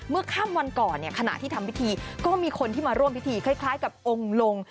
ค่ำวันก่อนเนี่ยขณะที่ทำพิธีก็มีคนที่มาร่วมพิธีคล้ายกับองค์ลง